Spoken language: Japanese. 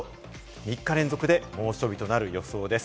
３日連続で猛暑日となる予想です。